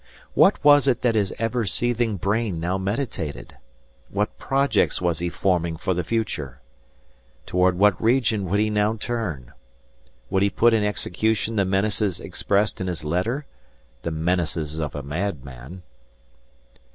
What was it that his ever seething brain now meditated? What projects was he forming for the future? Toward what region would he now turn? Would he put in execution the menaces expressed in his letter—the menaces of a madman!